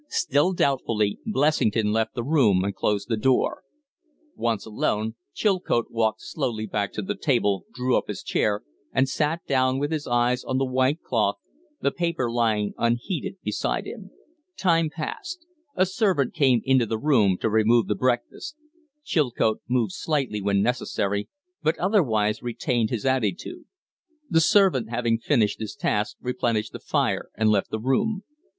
Still doubtfully, Blessington left the room and closed the door. Once alone, Chilcote walked slowly back to the table, drew up his chair, and sat down with his eyes on the white cloth, the paper lying unheeded beside him. Time passed. A servant came into the room to remove the breakfast. Chilcote moved slightly when necessary, but otherwise retained his attitude. The servant, having finished his task, replenished the fire and left the room.